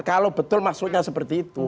kalau betul maksudnya seperti itu